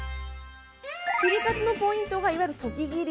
作り方のポイントがいわゆるそぎ切り。